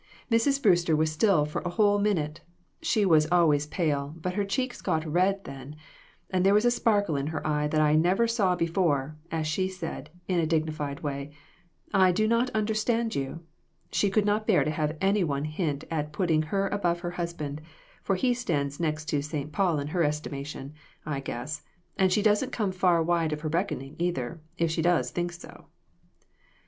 Mrs. Brewster was still for a whole minute. She was always pale, but her cheeks got red then, and there was a sparkle in her eye that I never saw before, as she said, in a digni fied way 'I do not understand you.' She could not bear to have any one hint at putting her above her husband, for he stands next to St. Paul in her estimation, I guess, and she doesn't come far wide of her reckoning, either, if she does think so."